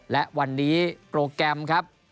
และวันนี้โปรแกรมครับ